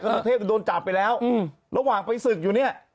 สุเทพโดนจับไปแล้วระหว่างไปศึกอยู่เนี่ย